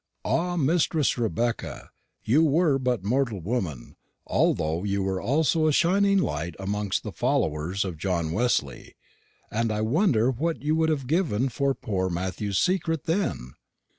Ah, Mistress Rebecca, you were but mortal woman, although you were also a shining light amongst the followers of John Wesley; and I wonder what you would have given for poor Matthew's secret then.